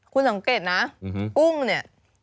คุณสังเกตนะกุ้งเนี่ย